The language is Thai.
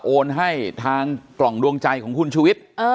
โอนให้ทางกล่องดวงใจของคุณชุวิต